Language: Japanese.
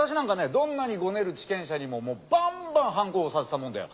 どんなにごねる地権者にももうバンバンハンコ押させたもんだよ。